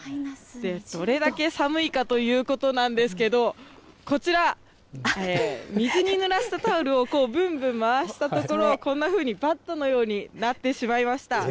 どれだけ寒いかということなんですけど、こちら、水にぬらしたタオルをこう、ぶんぶん回したところ、こんなふうにバットのようになってしまいました。